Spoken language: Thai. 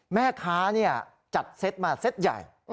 แม่ค้าจัดเซตมาเซ็ตใหญ่